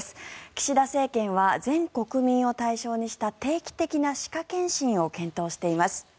岸田政権は全国民を対象にした定期的な歯科検診を検討しています。